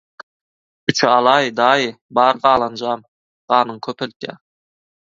– Üçe alaý, daýy, bar galanjam. Ganyňy köpeldýä...